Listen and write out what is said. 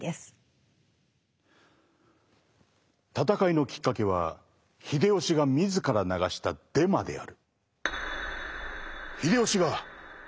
戦いのきっかけは秀吉が自ら流したデマである。